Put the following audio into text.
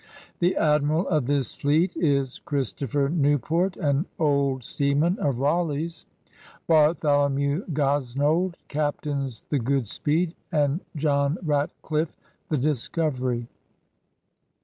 The Admiral of this fleet is Christopher Newport, an old seaman of Raleigh's. Bartholomew Gosnold captains the Ooodspeed, and John Batcliffe the Discovery.